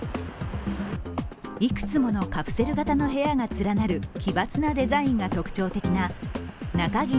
いくつものカプセル型の部屋が連なる奇抜なデザインが特徴的な中銀